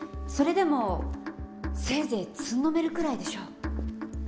それでもせいぜいつんのめるくらいでしょう。